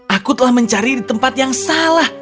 aku telah mencari di tempat yang salah